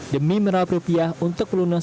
demi merauh rupiah untuk melunasi hutang